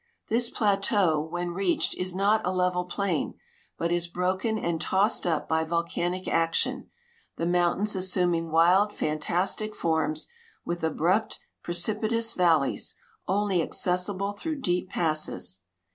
This plateau when reached is not a level plain, but is broken and tossed up b^'' volcanic action, the mountains assuming wild fan tastic forms, with abrupt, precipitous valleys, only accessible through deep passes.